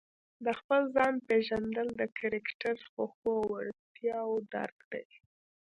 د خپل ځان پېژندل د کرکټر، خوښو او وړتیاوو درک دی.